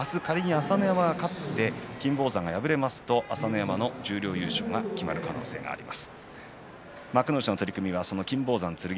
仮に朝乃山が勝って金峰山が敗れますと朝乃山の新十両優勝が決まる可能性があります。